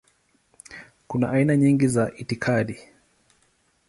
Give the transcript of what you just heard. Kuna aina nyingi za itikadi.